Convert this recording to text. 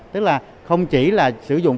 tức là không chỉ sử dụng